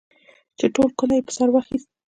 چې ټول کلی یې په سر واخیست.